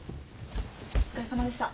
お疲れさまでした。